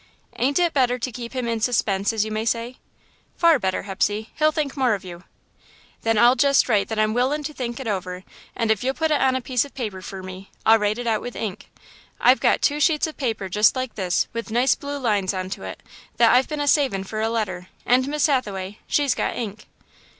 "Ain't it better to keep him in suspense, as you may say?" "Far better, Hepsey; he'll think more of you." "Then I'll jest write that I'm willin' to think it over, and if you'll put it on a piece of paper fer me, I'll write it out with ink. I've got two sheets of paper jest like this, with nice blue lines onto it, that I've been a savin' fer a letter, and Miss Hathaway, she's got ink."